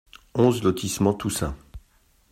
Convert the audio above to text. onze lotissement Toussaint